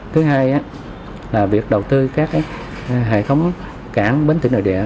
thứ hai là việc đầu tư các hệ thống cảng bến thủy nội địa